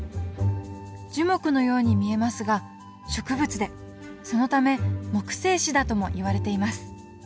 樹木のように見えますが植物でそのため木生シダともいわれています。